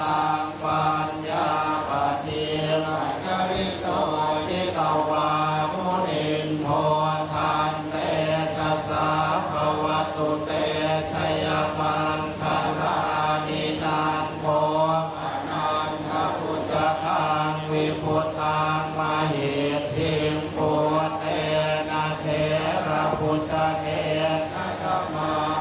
อันทะภูตังวันยาปะเทียรัจริตโตทิตเตววาพุลินโธธันเตเตสภวัตตุเตใจภันทรราตินัสโภภนันทภุจฮางวิภุธฮางวาเฮทธิงภุตเตนทธรพุจฮเทรทธม